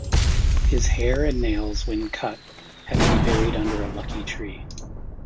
His hair and nails when cut had to be buried under a lucky tree.